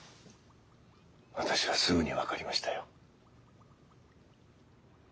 私はすぐに分かりましたよ。